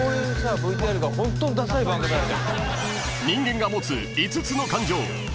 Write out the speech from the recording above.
［人間が持つ５つの感情］